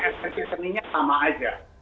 ekspresi seninya sama aja